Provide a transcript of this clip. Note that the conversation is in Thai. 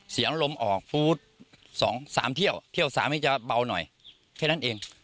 เสียงลมออกสามเที่ยวเที่ยวสามให้จะเบาหน่อยแค่นั้นเอง